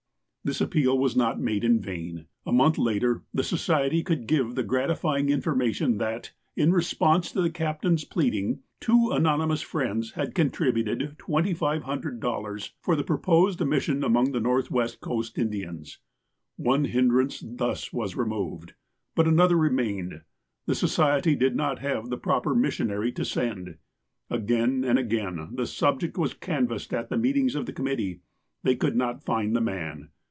This appeal was not made in vain. A month later, the Society could give the gratifying information that, in response to the captain's pleading, two anonymous friends had contributed .|2,500 for the proposed mission among the Northwest coast Indians. One hindrance thus was removed. But another re mained. The Society did not have the proper missionary to send. Again and again the subject was canvassed at the meetings of the committee. They could not find the man.